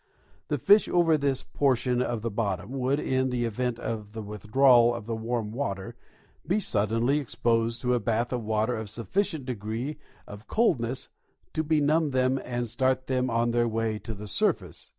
The fish over this portion of the bottom would, in the event of the withdraAval of the warm water, be suddenly exposed to a bath of water of sufficient degree of coldness to benumb them and start them on their way to the surface.